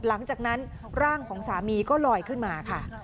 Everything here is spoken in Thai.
หลังจากนั้นร่างของสามีก็ลอยขึ้นมาค่ะ